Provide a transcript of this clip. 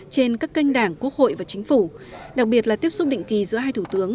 trên các kênh đảng quốc hội và chính phủ đặc biệt là tiếp xúc định kỳ giữa hai thủ tướng